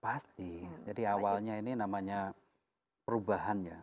pasti jadi awalnya ini namanya perubahan ya